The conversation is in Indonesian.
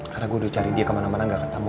karena gue udah cari dia kemana mana gak ketemu